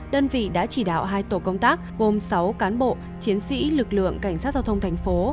đơn vị đã chỉ đạo hai tổ công tác gồm sáu cán bộ chiến sĩ lực lượng cảnh sát giao thông thành phố